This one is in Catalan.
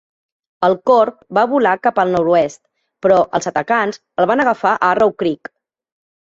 El corb va volar cap al nord-oest, però els atacants els van agafar a Arrow Creek.